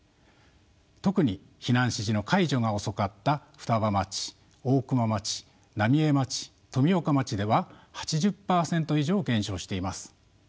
特に避難指示の解除が遅かった双葉町大熊町浪江町富岡町では８０％以上減少しています。